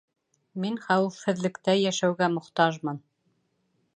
Мин хәүефһеҙлектә йәшәүгә мохтажмын.